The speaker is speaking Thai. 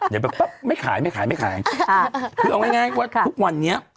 เดี๋ยวแบบป๊บไม่ขายคือเอาง่ายว่าทุกวันนี้